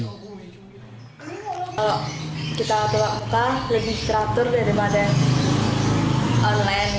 kita telah meminta legislatur daripada online